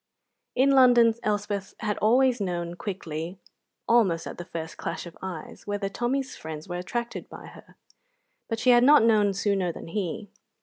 In London Elspeth had always known quickly, almost at the first clash of eyes, whether Tommy's friends were attracted by her, but she had not known sooner than he.